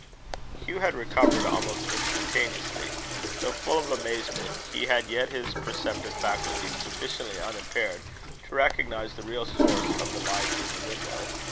Hugh had recovered almost instantaneously. Though full of amazement, he had yet his perceptive faculties sufficiently unimpaired to recognise the real source of the light in the window.